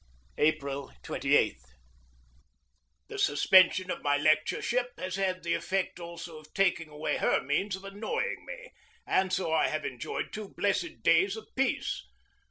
April 28. The suspension of my lectureship has had the effect also of taking away her means of annoying me, and so I have enjoyed two blessed days of peace.